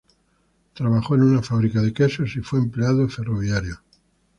Trabajó en una fábrica de quesos y fue empleado ferroviario.